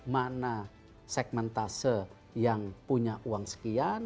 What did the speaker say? mana segmen tase yang punya uang sekian